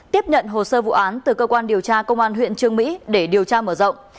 tiếp nhận hồ sơ vụ án từ cơ quan điều tra công an huyện trương mỹ để điều tra mở rộng